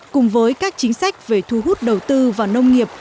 cùng với các chính sách về thu hút đầu tư vào nông nghiệp